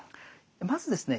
まずですね